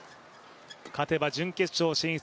勝てば準々決勝進出